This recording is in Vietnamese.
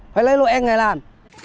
phải lấy lụa ăn này làm